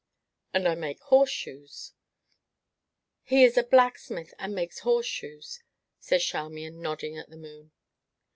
"And I make horseshoes " "He is a blacksmith, and makes horseshoes!" said Charmian, nodding at the moon.